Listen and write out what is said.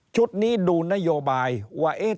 ชุดนี้ดูนโยบายว่าเอ๊ะ